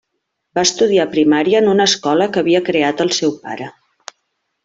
Va estudiar primària en una escola que havia creat el seu pare.